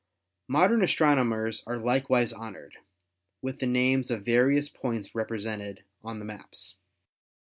Modern astronomers are likewise honored with the names of various points represented on the maps.